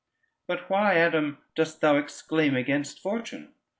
But why, Adam, dost thou exclaim against Fortune?